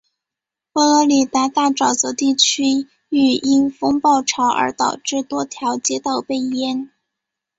佛罗里达大沼泽地区域因风暴潮而导致多条街道被淹。